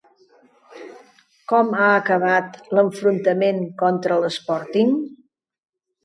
Com ha acabat l'enfrontament contra l'Sporting?